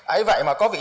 ấy vậy mà có việc